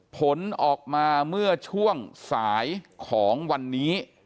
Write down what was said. ผลออกมาเมื่อช่วงสายของวันนี้